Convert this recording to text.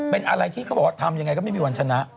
เป็นอะไรที่เขาบอกว่าทำยังไงก็ไม่มีวันชนะ